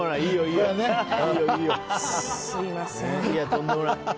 いや、とんでもない。